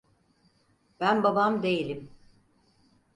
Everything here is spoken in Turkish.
Ben babam değilim.